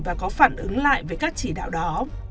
và có phản ứng lại về các chỉ đạo đó